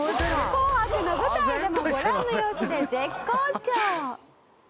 「紅白の舞台でもご覧の様子で舌好調」